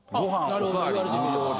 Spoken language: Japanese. なるほど言われてみれば。